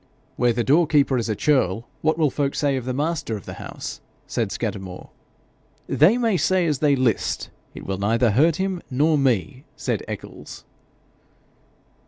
'Where the doorkeeper is a churl, what will folk say of the master of the house?' said Scudamore. 'They may say as they list; it will neither hurt him nor me,' said Eccles.